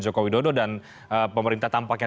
joko widodo dan pemerintah tampaknya